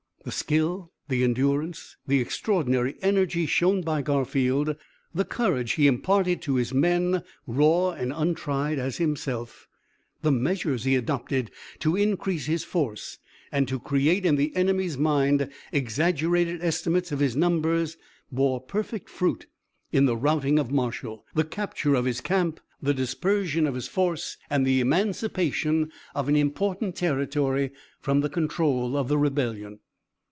The skill, the endurance, the extraordinary energy shown by Garfield, the courage he imparted to his men, raw and untried as himself, the measures he adopted to increase his force, and to create in the enemy's mind exaggerated estimates of his numbers, bore perfect fruit in the routing of Marshall, the capture of his camp, the dispersion of his force, and the emancipation of an important territory from the control of the rebellion.